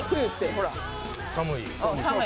ほら寒い？